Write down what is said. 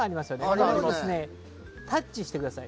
これをタッチしてください。